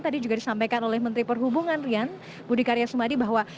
tadi juga disampaikan oleh menteri perhubungan rian budi karya sumadi bahwa